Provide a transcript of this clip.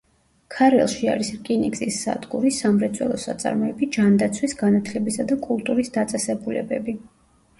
ქარელში არის რკინიგზის სადგური, სამრეწველო საწარმოები, ჯანდაცვის, განათლებისა და კულტურის დაწესებულებები.